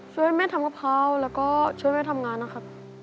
ช่วยแม่ทำกะเพราแล้วก็ช่วยแม่ทำงานนะครับ